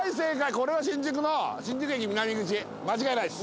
これは新宿の新宿駅南口間違いないです。